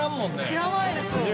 知らないです。